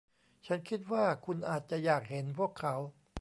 ฉันคิดว่าคุณอาจจะอยากเห็นพวกเขา